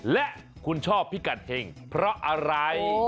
และคุณชอบพิกัดเห็งเพราะอะไร